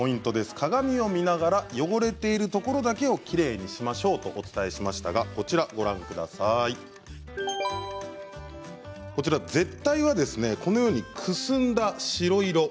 鏡を見ながら汚れているところだけをきれいにしましょうとお伝えしましたが舌たいはこのようにくすんだ白色。